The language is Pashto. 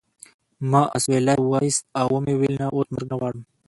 ما اسویلی وایست او و مې ویل نه اوس مرګ نه غواړم